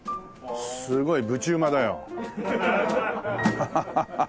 すごいぶちうまだよ。